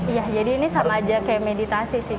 iya jadi ini sama aja kayak meditasi sih